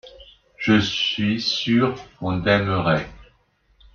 Je suis sûr qu’on aimerait.